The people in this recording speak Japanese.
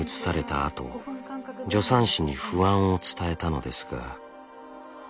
あと助産師に不安を伝えたのですが。